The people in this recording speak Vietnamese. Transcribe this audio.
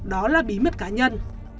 đó là bí mật cá nhân